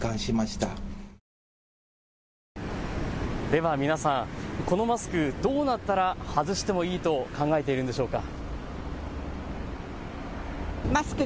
では皆さん、このマスクどうなったら外してもいいと考えているんでしょうか。